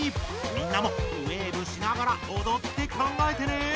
みんなもウェーブしながらおどって考えてね！